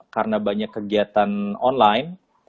karena banyak kegiatan online